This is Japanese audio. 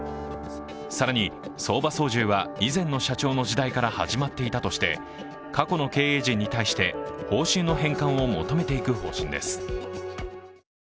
更に、相場操縦は以前の社長の時代から始まっていたとして過去の経営陣に対して報酬の返還を求めていく方針です。